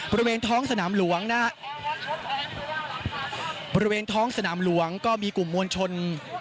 บริเวณท้องสนามหลวงนะฮะบริเวณท้องสนามหลวงก็มีกลุ่มมวลชน